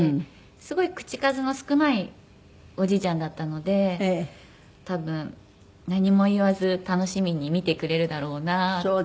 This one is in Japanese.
すごい口数の少ないおじいちゃんだったので多分何も言わず楽しみに見てくれるだろうなとは。